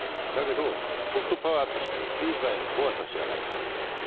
だけどソフトパワーとしての経済の怖さを知らないんですね。